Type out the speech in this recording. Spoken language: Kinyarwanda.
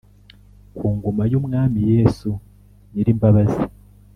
ku ngoma y'umwami yesu, nyir’ imbabazi.